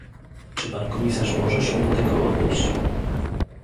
Czy pan komisarz może się do tego odnieść?